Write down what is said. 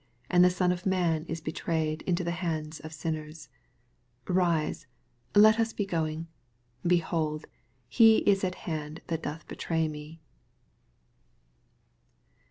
and the Son of man is he trayed into the hands of sinners. 46 Bise, let us he going: heholc is at hand that doth oetny me.